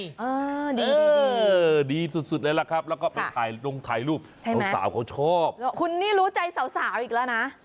คุณนี่รู้ใจสาวอีกแล้วนะ